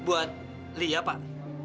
buat lia pak